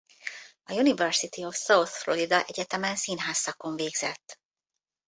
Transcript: A University of South Florida egyetemen színház szakon végzett.